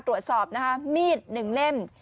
ตรวจสอบมีด๑เล่ม